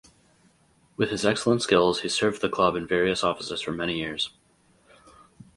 With his excellent skills he served the club in various offices for many years.